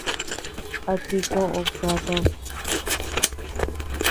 ¿A tii koʼöd katad?